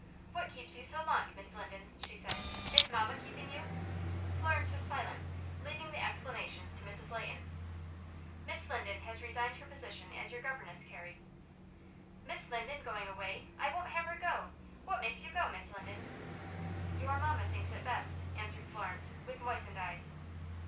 "What keeps you so long, Miss Linden?" she said. "Is mamma keeping you?" Florence was silent, leaving the explanations to Mrs. Leighton. "Miss Linden has resigned her position as your governess, Carrie." "Miss Linden going away! I won't have her go! What makes you go, Miss Linden?" "Your mamma thinks it best," answered Florence, with moistened eyes.